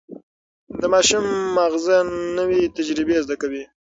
د ماشوم ماغزه نوي تجربې زده کوي.